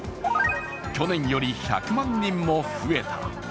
去年より１００万人も増えた。